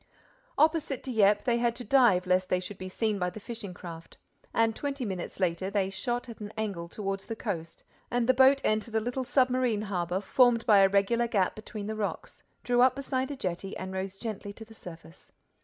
Opposite Dieppe, they had to dive lest they should be seen by the fishing craft. And twenty minutes later, they shot at an angle toward the coast and the boat entered a little submarine harbor formed by a regular gap between the rocks, drew up beside a jetty and rose gently to the surface.